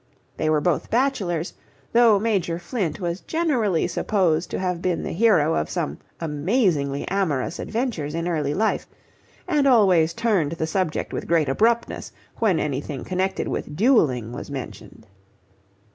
They were both bachelors, though Major Flint was generally supposed to have been the hero of some amazingly amorous adventures in early life, and always turned the subject with great abruptness when anything connected with duelling was mentioned.